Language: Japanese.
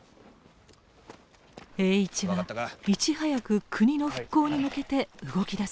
栄一はいち早く国の復興に向けて動き出すのです。